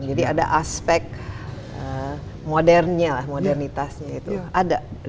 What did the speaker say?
jadi ada aspek modernnya modernitasnya itu ada